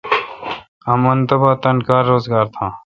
امن تبا تان کار روزگار تھان۔